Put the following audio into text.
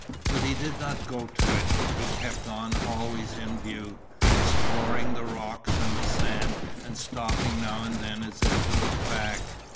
But he did not go to it, he kept on always in view, exploring the rocks and the sands and stopping now and then as if to look back.